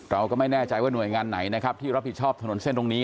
เอาไงหน่วยงานดีก็รับผิดชอบคือ